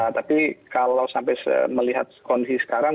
tapi kalau sampai melihat kondisi sekarang